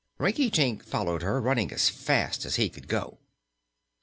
Rinkitink followed her, running as fast as he could go.